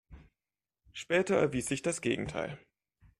Später erwies sich das Gegenteil.